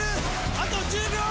あと１０秒！